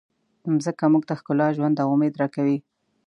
مځکه موږ ته ښکلا، ژوند او امید راکوي.